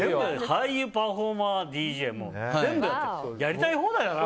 俳優、パフォーマーＤＪもやっててやりたい放題だな。